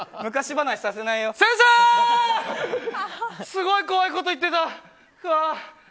すごい怖いこと言ってた。